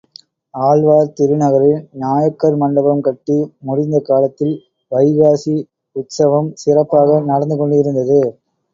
ஆழ்வார் திருநகரியில் நாயக்கர் மண்டபம் கட்டி முடிந்த காலத்தில் வைகாசி உத்சவம் சிறப்பாக நடந்து கொண்டிருந்தது.